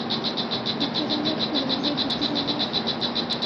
Бөтөрәләр күлемде, бөтөрәләр!